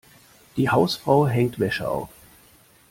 Die Hausfrau hängt Wäsche auf.